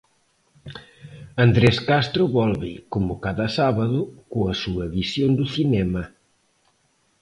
Andrés Castro volve, como cada sábado, coa súa visión do cinema.